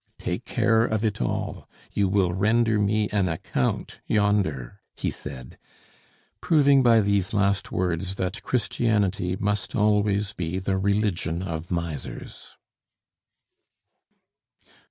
"Take care of it all. You will render me an account yonder!" he said, proving by these last words that Christianity must always be the religion of misers.